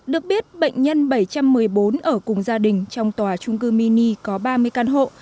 được biết bệnh nhân bảy trăm một mươi bốn ở cùng gia đình trong tòa trung cư mini có ba mươi căn hộ